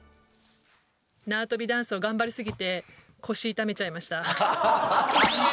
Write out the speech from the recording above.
「縄跳びダンスを頑張り過ぎて腰痛めちゃいました」。